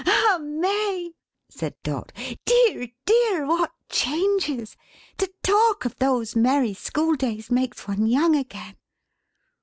"Ah May!" said Dot. "Dear dear, what changes! To talk of those merry school days makes one young again."